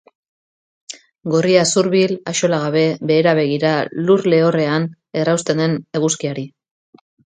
Gorria zurbil, axolagabe, behera begira, lur lehorrean errausten den eguzkiari.